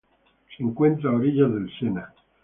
Se encuentra a orillas del Sena.